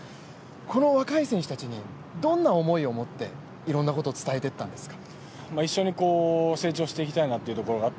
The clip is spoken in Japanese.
この若い選手たちにどんな思いを持って、いろんなことを伝えていったんですか。